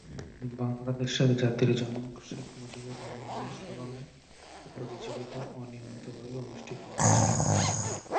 বাংলাদেশের জাতির জনক শেখ মুজিবুর রহমানের স্মরণে এ প্রতিযোগিতা অনিয়মিতভাবে অনুষ্ঠিত হয়েছে।